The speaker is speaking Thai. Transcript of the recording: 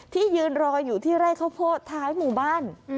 ยืนรออยู่ที่ไร่ข้าวโพดท้ายหมู่บ้าน